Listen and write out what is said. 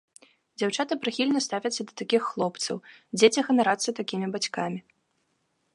Дзяўчаты прыхільна ставяцца да такіх хлопцаў, дзеці ганарацца такімі бацькамі.